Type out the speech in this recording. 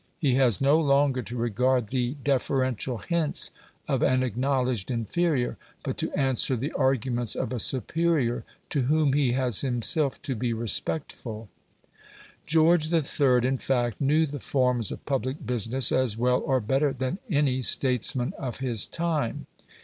He has no longer to regard the deferential hints of an acknowledged inferior, but to answer the arguments of a superior to whom he has himself to be respectful. George III. in fact knew the forms of public business as well or better than any statesman of his time.